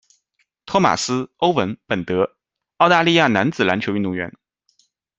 托马斯·欧文·本德，澳大利亚男子篮球运动员。